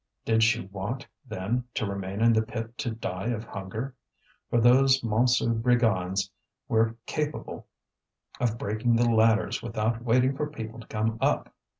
Did she want, then, to remain in the pit to die of hunger? For those Montsou brigands were capable of breaking the ladders without waiting for people to come up.